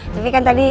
tapi kan tadi